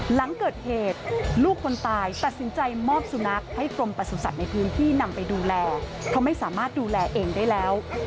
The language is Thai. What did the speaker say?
หลังเกิดเหตุลูกคนตายตัดสินใจมอบสุนัขให้กรมประสุทธิ์ในพื้นที่นำไปดูแลเพราะไม่สามารถดูแลเองได้แล้ว